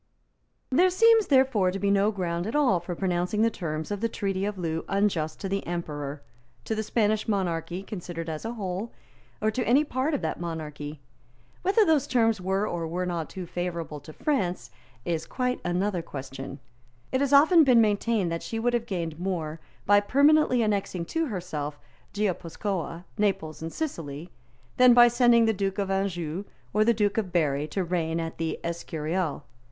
There seems, therefore, to be no ground at all for pronouncing the terms of the Treaty of Loo unjust to the Emperor, to the Spanish monarchy considered as a whole, or to any part of that monarchy. Whether those terms were or were not too favourable to France is quite another question. It has often been maintained that she would have gained more by permanently annexing to herself Guipuscoa, Naples and Sicily than by sending the Duke of Anjou or the Duke of Berry to reign at the Escurial.